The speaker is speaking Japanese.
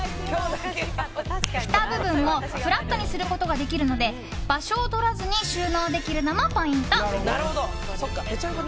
ふた部分もフラットにすることができるので場所を取らずに収納できるのもポイント。